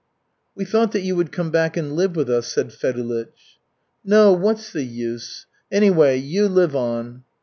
"We thought that you would come back and live with us," said Fedulych. "No, what's the use? Anyway you live on!"